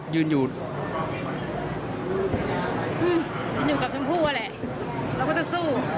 ยืนอยู่กับชมพู่ก็แหละเราก็จะสู้